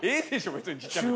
別にちっちゃくても。